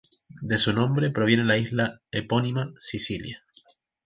De su nombre proviene la isla epónima, Sicilia.